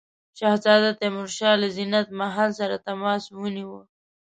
شهزاده تیمورشاه له زینت محل سره تماس ونیو.